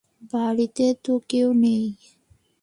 বাড়িতে তো কেউ নেই।